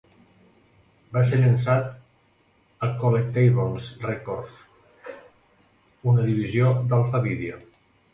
Va ser llançat a Collectables Records, una divisió d'Alpha Video.